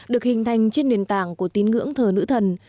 được hình thành trên nền tảng của tín ngưỡng thờ nữ thần